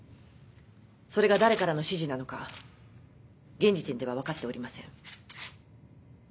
それが誰からの指示なのか現時点では分かっておりません。